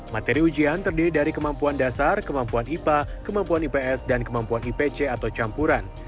materi ujian terdiri dari kemampuan dasar kemampuan ipa kemampuan ips dan kemampuan ipc atau campuran